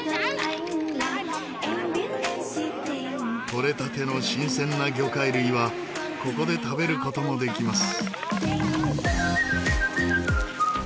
とれたての新鮮な魚介類はここで食べる事もできます。